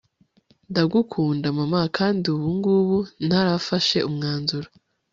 ndagukunda mama kandi ubungubu ntarafashe umwanzuro